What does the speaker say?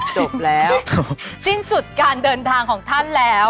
จบแล้วสิ้นสุดการเดินทางของท่านแล้ว